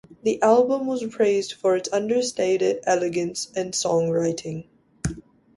The album was praised for its understated elegance and songwriting.